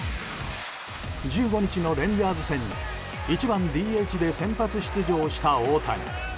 １５日のレンジャーズ戦に１番ＤＨで先発出場した大谷。